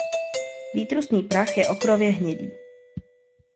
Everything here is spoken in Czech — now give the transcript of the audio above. Výtrusný prach je okrově hnědý.